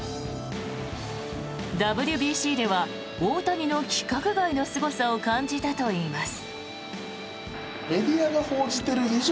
ＷＢＣでは大谷の規格外のすごさを感じたといいます。